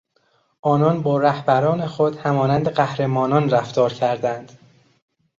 آنان با رهبران خود همانند قهرمانان رفتار کردند.